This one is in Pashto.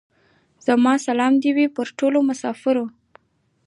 زما سلام دي وې پر ټولو مسافرو.